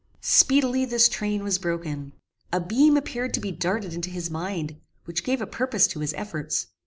Speedily this train was broken. A beam appeared to be darted into his mind, which gave a purpose to his efforts.